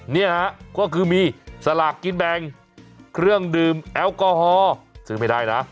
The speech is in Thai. เนี่ยฮะก็คือมีสลากกินแบ่งเครื่องดื่มแอลกอฮอล์ซื้อไม่ได้นะ